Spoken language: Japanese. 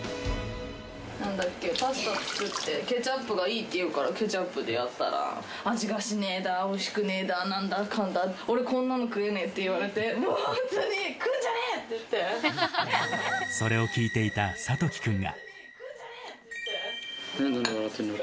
なんだっけ、パスタがいいってケチャップがいいっていうからケチャップでやったら、味がしねえだ、おいしくねえだ、なんだかんだ、俺、こんなの食えねぇって言われて、もう、それを聞いていた諭樹君が。